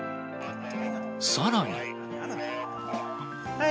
さらに。